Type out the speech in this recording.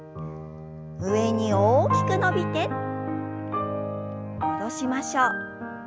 上に大きく伸びて戻しましょう。